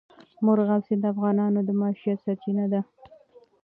مورغاب سیند د افغانانو د معیشت سرچینه ده.